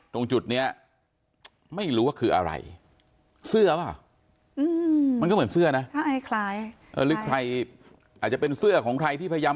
ตรงจุดเนี่ยไม่รู้ว่าคืออะไร